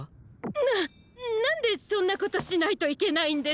ななんでそんなことしないといけないんですか？